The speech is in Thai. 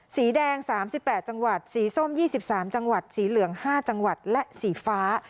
สีแดง๓๘จังหวัดสีส้ม๒๓จังหวัดสีเหลือง๕จังหวัดและสีฟ้า